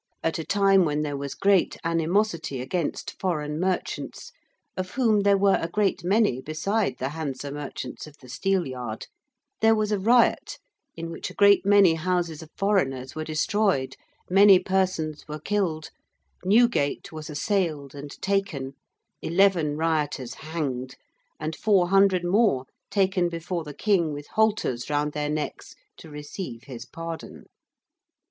at a time when there was great animosity against foreign merchants, of whom there were a great many beside the Hanse merchants of the Steelyard, there was a riot in which a great many houses of foreigners were destroyed, many persons were killed, Newgate was assailed and taken, eleven rioters hanged and 400 more taken before the King with halters round their necks to receive his pardon.